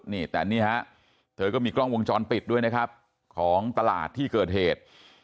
นี่แต่นี่ฮะเธอก็มีกล้องวงจรปิดด้วยนะครับของตลาดที่เกิดเหตุ